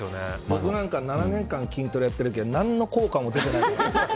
僕なんか７年間筋トレやってるけど何の効果も出てない。